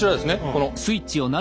この。